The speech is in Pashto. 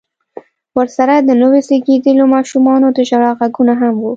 ورسره د نويو زيږېدليو ماشومانو د ژړا غږونه هم و.